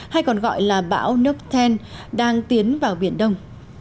hay còn gọi là bão nucken đang tiến vào biển đông